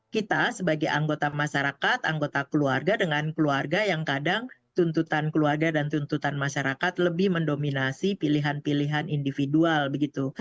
kita sebagai anggota masyarakat anggota keluarga dengan keluarga yang kadang tuntutan keluarga dan tuntutan masyarakat lebih mendominasi pilihan pilihan individual begitu